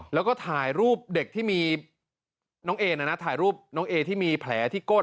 แล้วก็ถ่ายรูปเด็กที่มีน้องเอนะถ่ายรูปน้องเอที่มีแผลที่ก้น